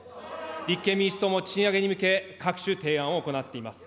立憲民主党も賃上げに向け、各種提案を行っています。